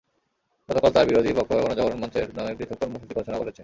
গতকাল তাঁর বিরোধী পক্ষ গণজাগরণ মঞ্চের নামে পৃথক কর্মসূচি ঘোষণা করেছে।